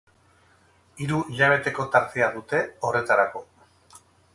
Hiru hilabeteko tartea dute horretarako.